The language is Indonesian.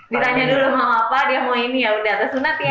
ditanya dulu mau apa dia mau ini yaudah kesunat ya